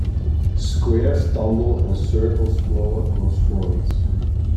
Squares tumble and circles flow across voids.